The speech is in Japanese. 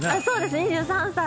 ２３歳。